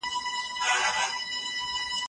اوس د انتيکو بازار ته ولاړ سه.